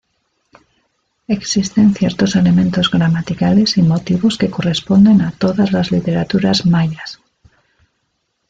Existen ciertos elementos gramaticales y motivos que corresponden a todas las literaturas mayas.